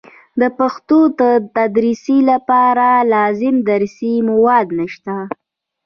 د پښتو د تدریس لپاره لازم درسي مواد نشته.